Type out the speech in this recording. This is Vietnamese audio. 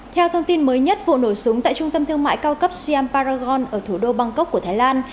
theo thông tin mới nhất vụ nổ súng tại trung tâm thương mại cao cấp siam paragon ở thủ đô bangkok của thái lan